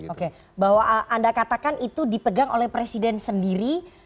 oke bahwa anda katakan itu dipegang oleh presiden sendiri